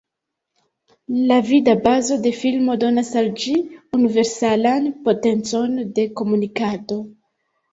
La vida bazo de filmo donas al ĝi universalan potencon de komunikado.